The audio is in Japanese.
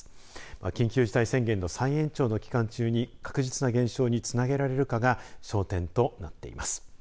緊急事態宣言の再延長の期間中に確実な減少につなげられるかが焦点となっています。